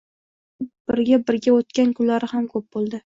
Darslarimni birga-birga oʻtgan kunlari ham koʻp boʻldi.